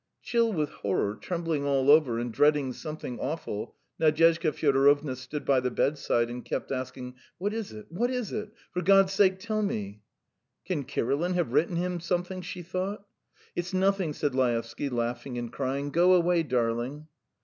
..." Chill with horror, trembling all over and dreading something awful, Nadyezhda Fyodorovna stood by the bedside and kept asking: "What is it? What is it? For God's sake, tell me." "Can Kirilin have written him something?" she thought. "It's nothing," said Laevsky, laughing and crying; "go away, darling."